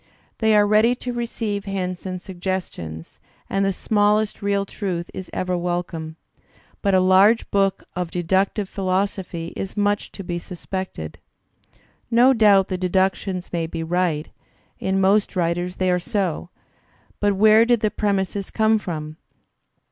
They are ready to receive hints and suggestions, and the smallest real truth is ever wel come. But a large book of deductive philosophy is much to ^ be isuspected. No doubt the deductions may be right; in . most writers they are so; but where did the premises come from?